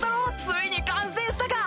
ついに完成したか！